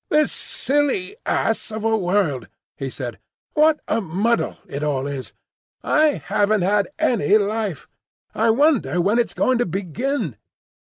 "This silly ass of a world," he said; "what a muddle it all is! I haven't had any life. I wonder when it's going to begin.